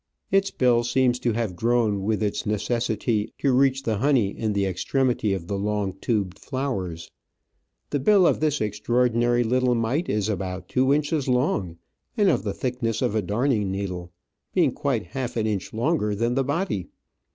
Its bill seems to have grown with its ne cessity to reach the honey in the ex tremity of the long tubed flowers ; the bill of this extraor dinary little mite is about two inches long and of the thickness of a darning needle, being quite half an inch longer than the body.